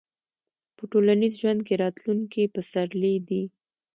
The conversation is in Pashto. په ټولنیز ژوند کې راتلونکي پسرلي دي.